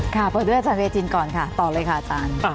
ครับเปิดเรื่องหน้าใจเทห์จินก่อนละค่ะตอบเลยค่ะอัจจะ